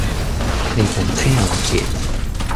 Ne gomprenan ket.